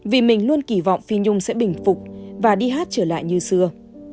vì mình luôn kỳ vọng phi nhung sẽ bình phục và đi hát trở lại như xưa